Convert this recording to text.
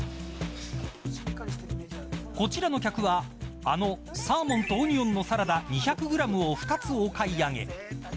こちらの客はあのサーモンとオニオンのサラダを２００グラムを２つお買い上げ。